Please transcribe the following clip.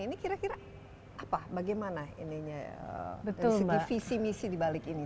ini kira kira apa bagaimana ini dari segi visi misi di balik ini